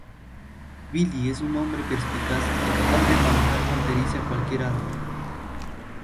Billy es un hombre perspicaz y capaz de manejar con pericia cualquier arma.